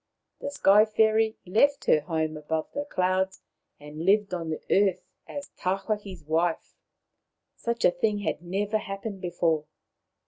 The Sky fairy left her home above the clouds, and lived on the earth as Tawhaki's wife. Such a thing had never happened before.